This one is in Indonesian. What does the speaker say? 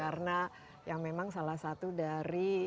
karena yang memang salah satu dari